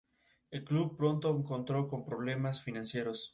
La portada principal lleva sobre el dintel un Escudo Heráldico.